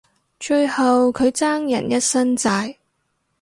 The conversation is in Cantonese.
最後佢爭人一身債